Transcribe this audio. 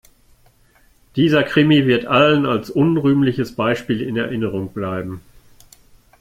Dieser Krimi wird allen als unrühmliches Beispiel in Erinnerung bleiben.